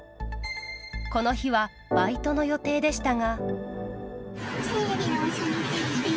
この日はバイトの予定でしたが。